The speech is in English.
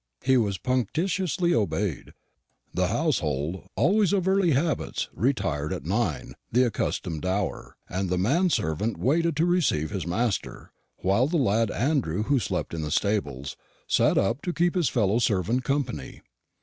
He was punctiliously obeyed. The household, always of early habits, retired at nine, the accustomed hour; and the man servant waited to receive his master, while the lad Andrew, who slept in the stables, sat up to keep his fellow servant company.